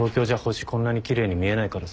こんなに奇麗に見えないからさ。